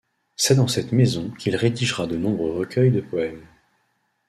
C'est dans cette maison qu'il rédigera de nombreux recueils de poèmes.